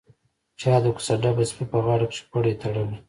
چا د کوڅه ډبه سپي په غاړه کښې پړى تړلى.